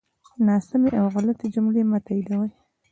ناسمی او غلطی جملی مه تاییدوی